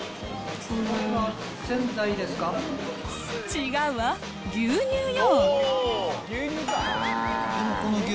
違うわ、牛乳よ。